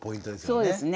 そうですね。